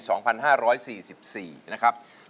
รางวัลมาลัยทองคำประจำปี๒๕๔๔